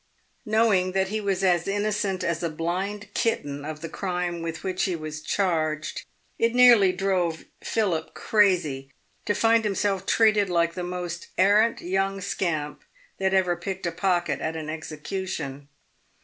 Knowing that he was as innocent as a blind kitten of the crime with which he was charged, it nearly drove Philip crazy to find him self treated like the most arrant young scamp that ever picked a j)ocket at an execution.